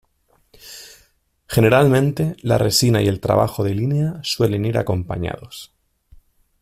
Generalmente, la resina y el trabajo de línea suelen ir acompañados.